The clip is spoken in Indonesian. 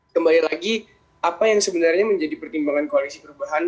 kembali lagi apa yang sebenarnya menjadi pertimbangan koalisi perubahan